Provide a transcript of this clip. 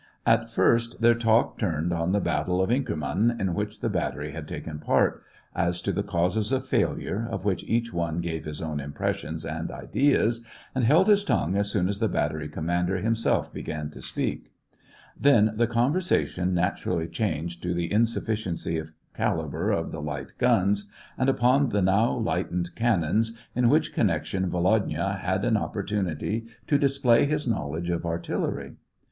At first, their talk turned on the battle of Inkerman, in which the battery had taken part, as to the causes of failure, of which each one gave his own impressions and ideas, and held his tongue as soon as the battery commander himself began to speak ; then the conversation naturally changed to the insufficiency of calibre of the light guns, and upon the new lightened cannons, in which connection Volodya had an opportunity to display his knowledge of artillery.